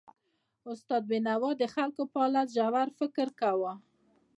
استاد بینوا د خلکو پر حالت ژور فکر کاوه.